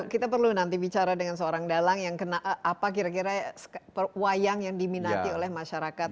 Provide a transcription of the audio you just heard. kita perlu nanti bicara dengan seorang dalang yang kena apa kira kira wayang yang diminati oleh masyarakat